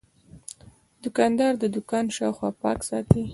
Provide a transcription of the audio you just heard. دوکاندار د دوکان شاوخوا پاک ساتي.